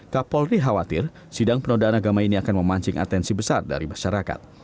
kapolri khawatir sidang penodaan agama ini akan memancing atensi besar dari masyarakat